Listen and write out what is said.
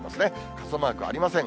傘マークありません。